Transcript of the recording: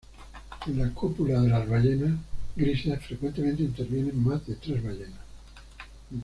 En la cópula de las ballenas grises frecuentemente intervienen más de tres ballenas.